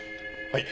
はい。